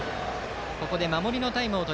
ここで守りのタイムです